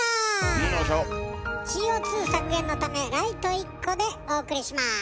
ＣＯ削減のためライト１個でお送りします。